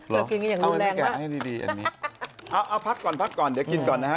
เรากินอย่างดูแรงมากเอาอันนี้แกะให้ดีอันนี้เอาพักก่อนพักก่อนเดี๋ยวกินก่อนนะฮะ